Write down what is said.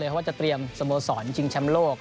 เพราะว่าจะเตรียมสโมสรชิงแชมป์โลก